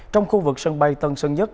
trong khu vực sân bay tân sơn nhất